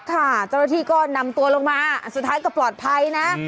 เจ้าหน้าที่ก็นำตัวลงมาสุดท้ายก็ปลอดภัยนะ